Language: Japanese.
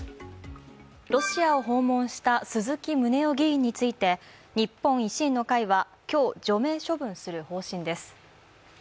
ロシアを訪問した鈴木宗男議員について日本維新の会は、今日、除名処分する方針です。